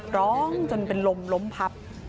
ร้องจนเป็นลมล้มพับ